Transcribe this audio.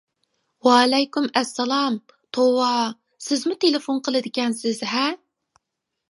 -ۋەئەلەيكۇم ئەسسالام، توۋا، سىزمۇ تېلېفون قىلىدىكەنسىز ھە؟ !